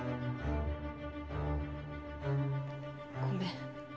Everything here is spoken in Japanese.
ごめん。